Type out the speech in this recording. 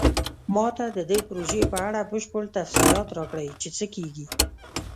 ما ته د دې پروژې په اړه بشپړ تفصیلات راکړئ چې څه کیږي